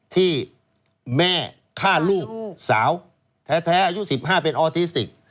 ที่แม่ฆ่าลูกสาวแท้อายุ๑๕เป็นออทิสติก